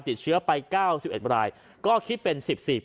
ติดเชื้อไป๙๑รายก็คิดเป็น๑๔